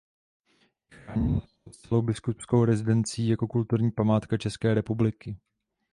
Je chráněna spolu s celou biskupskou rezidencí jako kulturní památka České republiky.